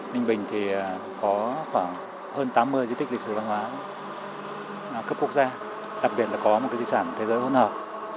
ninh bình thì có khoảng hơn tám mươi di tích lịch sử văn hóa cấp quốc gia đặc biệt là có một di sản thế giới hôn hợp